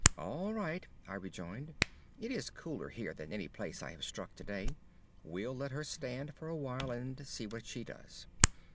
"All right," I rejoined; "it is cooler here than any place I have struck today. We'll let her stand for a while, and see what she does."